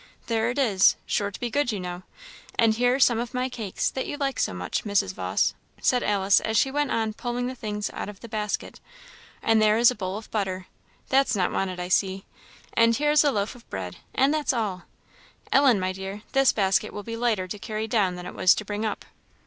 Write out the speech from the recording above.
There it is sure to be good, you know; and here are some of my cakes, that you like so much, Mrs. Vawse," said Alice, as she went on pulling the things out of the basket; "there is a bowl of butter that's not wanted, I see and here is a loaf of bread; and that's all. Ellen, my dear, this basket will be lighter to carry down than it was to bring up."